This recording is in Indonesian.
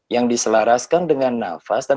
yang diselaraskan dengan nafas dan